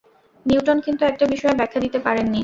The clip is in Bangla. নিউটন কিন্তু একটা বিষয়ে ব্যাখ্যা দিতে পারেননি।